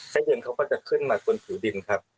เย็นเขาก็จะขึ้นมาบนผิวดินครับ